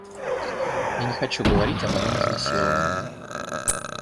Я не хочу о говорить о моём изнасиловании.